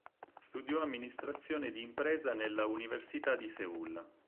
Studiò amministrazione di impresa nella Università di Seul.